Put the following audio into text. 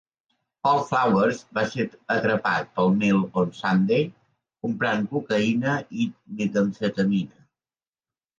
Paul Flowers va ser atrapat pel "Mail on Sunday" comprant cocaïna i metamfetamina.